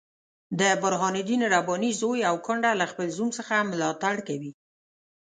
د برهان الدین رباني زوی او کونډه له خپل زوم څخه ملاتړ کوي.